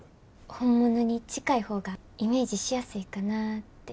本物に近い方がイメージしやすいかなって。